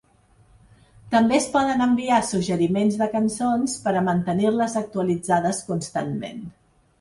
També es poden enviar suggeriments de cançons per a mantenir-les actualitzades constantment.